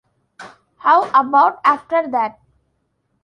How about after that?